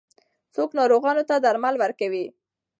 څوک ناروغانو ته درمل ورکوي؟